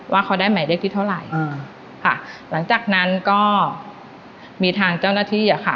ว่าเขาได้หมายเลขที่เท่าไหร่อ่าค่ะหลังจากนั้นก็มีทางเจ้าหน้าที่อะค่ะ